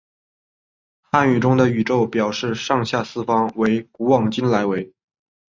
汉语中的宇宙表示上下四方为古往今来为。